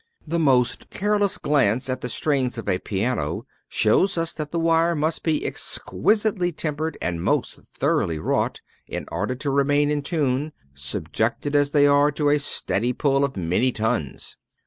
The most careless glance at the strings of a piano shows us that the wire must be exquisitely tempered and most thoroughly wrought, in order to remain in tune, subjected as they are to a steady pull of many tons.